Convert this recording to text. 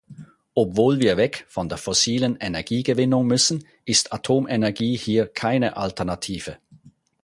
Obwohl wir weg von der fossilen Energiegewinnung müssen, ist Atomenergie hier keine Alternative.